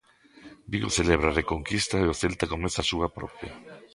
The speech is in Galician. Vigo celebra a Reconquista e o Celta comeza a súa propia.